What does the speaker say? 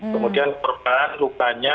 kemudian perban lukanya